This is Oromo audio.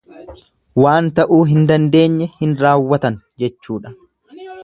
Waan ta'uu hin dandeenye hin raawwatan jechuudha.